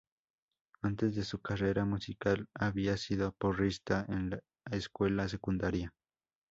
Antes de su carrera musical había sido porrista en la escuela secundaria.